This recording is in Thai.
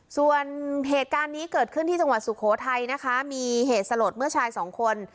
ส่วนเหตุการณ์นี้เกิดขึ้นที่จังหวัดสุโขทัยนะคะมีเหตุสลดเมื่อชายสองคน